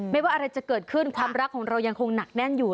ว่าอะไรจะเกิดขึ้นความรักของเรายังคงหนักแน่นอยู่